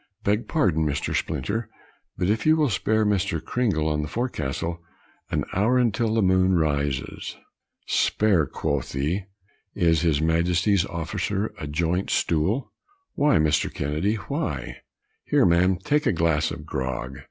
"Beg pardon Mr. Splinter, but if you will spare Mr. Cringle on the forecastle an hour, until the moon rises." ("Spare," quotha, "is his majesty's officer a joint stool?") "Why, Mr. Kennedy, why? here, man, take a glass of grog."